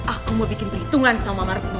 aku mau bikin perhitungan sama martin